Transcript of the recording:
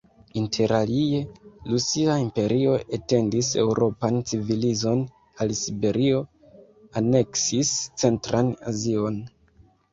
Interalie, Rusia Imperio etendis eŭropan civilizon al Siberio, aneksis centran Azion.